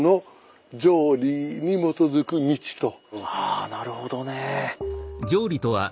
あなるほどね。